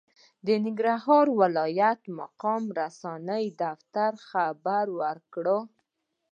د ننګرهار ولايت مقام رسنیو دفتر خبر ورکړ،